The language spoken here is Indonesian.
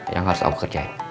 yang harus aku kerjain